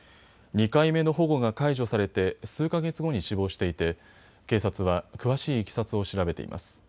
２回目の保護が解除されて数か月後に死亡していて警察は詳しいいきさつを調べています。